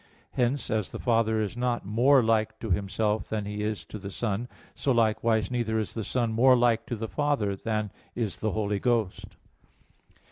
Hence, as the Father is not more like to Himself than He is to the Son; so likewise neither is the Son more like to the Father than is the Holy Ghost.